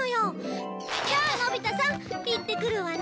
じゃあのび太さん行ってくるわね。